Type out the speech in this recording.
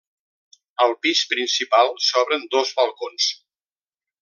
Al pis principal s'obren dos balcons.